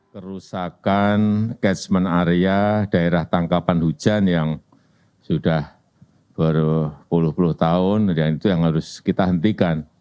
kerusakan catchment area daerah tangkapan hujan yang sudah berpuluh puluh tahun dan itu yang harus kita hentikan